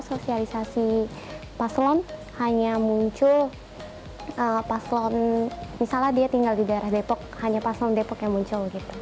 sosialisasi paslon hanya muncul paslon misalnya dia tinggal di daerah depok hanya paslon depok yang muncul gitu